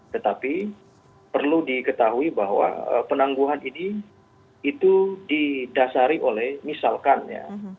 tetapi perlu diketahui bahwa penangguhan ini itu didasari oleh misalkan ya